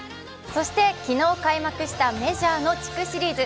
そして昨日開幕したメジャーの地区シリーズ。